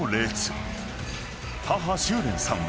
［母秋蓮さんは］